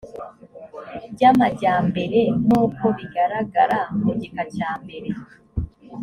by amajyambere nk uko bigaragara mu gika cya mbere